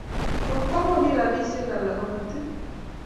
Ma kiagonin rapisye alak amut ii?